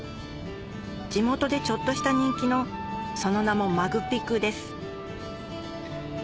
地元でちょっとした人気のその名も「まぐピク」です